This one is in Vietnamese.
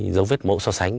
dấu vết mẫu so sánh